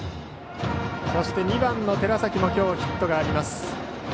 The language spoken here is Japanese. そして２番の寺崎も今日、ヒットがあります。